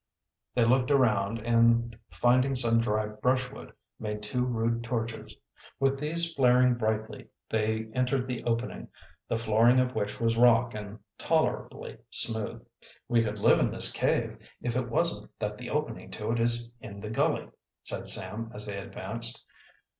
They looked around, and finding some dry brushwood made two rude torches. With these flaring brightly they entered the opening, the flooring of which was of rock and tolerably smooth. "We could live in this cave, if it wasn't that the opening to it is in the gully," said Sam as they advanced.